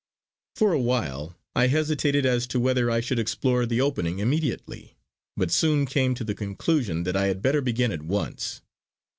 For a while I hesitated as to whether I should explore the opening immediately; but soon came to the conclusion that I had better begin at once.